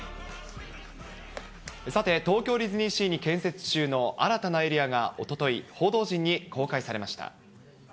さて、東京ディズニーシーに建設中の新たなエリアがおととい、報道陣に公開されました。